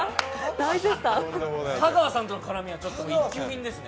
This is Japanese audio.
香川さんとの絡みは一級品ですね。